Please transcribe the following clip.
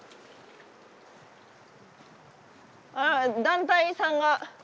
ああ団体さんが。